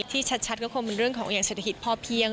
ที่ชัดก็คงเป็นเรื่องของอย่างเศรษฐกิจพอเพียง